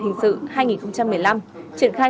hình sự hai nghìn một mươi năm triển khai